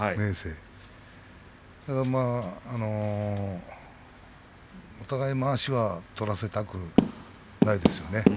ですから、お互いまわしは取らせたくないですよね。